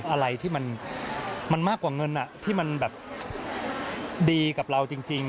อะไรที่มันมากกว่าเงินที่มันแบบดีกับเราจริง